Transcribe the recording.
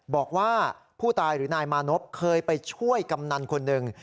บอกว่าผู้ตายหรือนายมานพเคยไปช่วยกำนันคนหนึ่ง